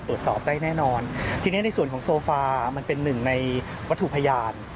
ตรวจสอบได้แน่นอนทีนี้ในส่วนของโซฟามันเป็นหนึ่งในวัตถุพยาน